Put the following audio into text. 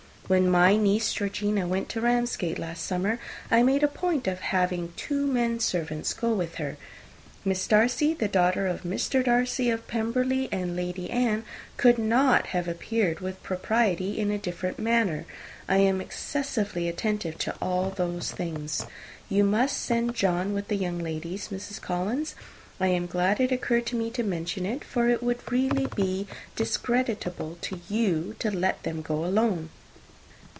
When my niece Georgiana went to Ramsgate last summer, I made a point of her having two men servants go with her. Miss Darcy, the daughter of Mr. Darcy of Pemberley, and Lady Anne, could not have appeared with propriety in a different manner. I am excessively attentive to all those things. You must send John with the young ladies, Mrs. Collins. I am glad it occurred to me to mention it; for it would really be discreditable to you to let them go alone."